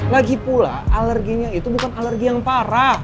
lagipula alerginya itu bukan alergi yang parah